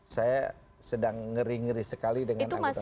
saya sedang ngeri ngeri sekali dengan angkutan pariwisata